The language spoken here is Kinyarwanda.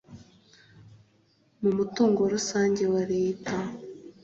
mu mutungo rusange wa leta